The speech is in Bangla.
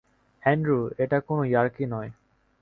অ্যান্ড্রু, এটা কোনো ইয়ার্কি নয়।